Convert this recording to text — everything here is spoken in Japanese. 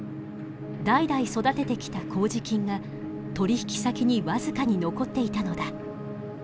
代々育ててきた麹菌が取引先に僅かに残っていたのだ。